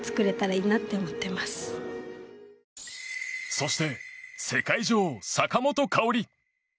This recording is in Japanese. そして世界女王・坂本花織。